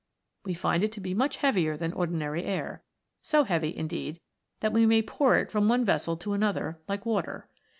We find it to be much heavier than ordinary air so heavy, indeed, that we may pour it from one vessel to another, like water.